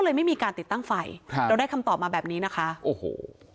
ไม่มีการติดตั้งไฟครับเราได้คำตอบมาแบบนี้นะคะโอ้โห